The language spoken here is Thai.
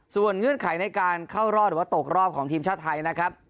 ส่วนเงื่อนไขในการเข้ารอบหรือว่าตกรอบของทีมชาติไทยนะครับ